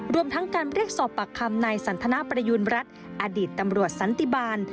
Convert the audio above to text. รวมทั้งการเรียกสอบปากคำนายสันทนาประยูณรัฐอดีตตำรวจสันติบาล